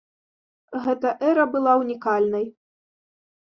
Гэта эра была ўнікальнай.